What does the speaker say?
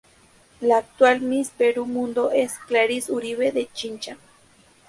La actual Miss Perú Mundo es Clarisse Uribe de Chincha.